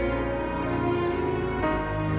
sebenernya kakakgy anaknya